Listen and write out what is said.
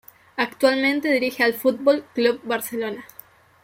Actualmente dirige al Fútbol Club Barcelona.